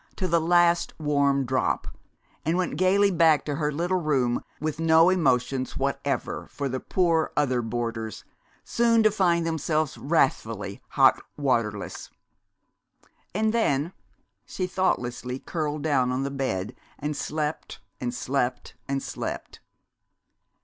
to the last warm drop and went gayly back to her little room with no emotions whatever for the poor other boarders, soon to find themselves wrathfully hot waterless. And then she thoughtlessly curled down on the bed, and slept and slept and slept!